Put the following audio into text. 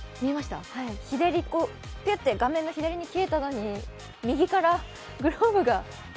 ぴゅっと画面の左に消えたのに右からグローブが。